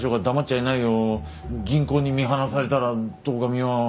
銀行に見放されたら堂上は。